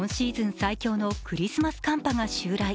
最強のクリスマス寒波が襲来。